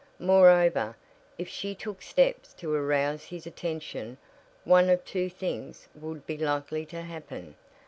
Moreover, if she took steps to arouse his attention one of two things would be likely to happen.